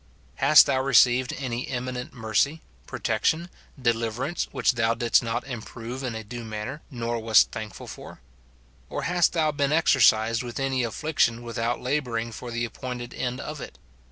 Hast thou received any eminent mercy, protection, deliverance, which thou didst not improve in a due man 20 230 MORTIFICATION OP Tier, nor wast thankful for ? or hast thou been exercised ■with any affliction without labouring for the appointed end of it